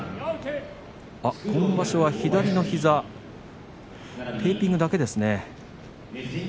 今場所は左の膝テーピングだけですね。